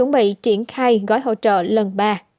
bị triển khai gói hỗ trợ lần ba